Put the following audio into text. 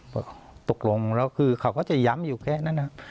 ตกลงแล้วคือเขาก็จะย้ำอยู่แค่นั้น